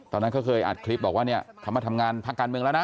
ตอนนั้นเขาเคยอัดคลิปบอกว่าเนี่ยเขามาทำงานพักการเมืองแล้วนะ